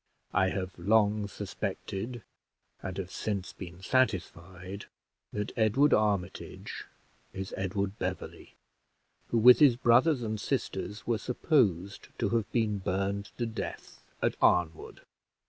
I have long suspected, and have since been satisfied, that Edward Armitage is Edward Beverley, who with his brothers and sisters were supposed to have been burned to death at Arnwood."